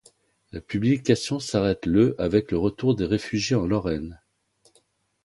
La publication s’arrête le avec le retour des réfugiés en Lorraine.